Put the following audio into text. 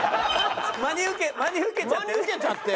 真に受けちゃって？